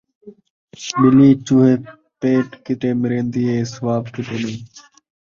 ٻلی چوہے پیت کیتے مرین٘دی اے، ثواب کیتے نہیں مرین٘دی